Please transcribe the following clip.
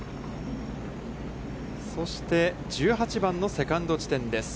そして１８番のセカンド地点です。